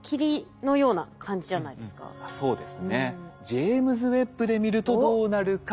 ジェイムズ・ウェッブで見るとどうなるか。